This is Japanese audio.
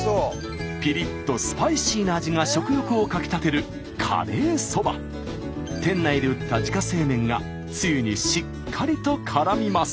ピリッとスパイシーな味が食欲をかきたてる店内で打った自家製麺がつゆにしっかりとからみます。